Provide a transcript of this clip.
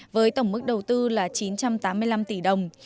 với tổng mức đầu tư là chín trăm tám mươi năm tỷ đồng